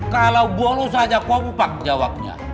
kalau bolos aja kompak jawabnya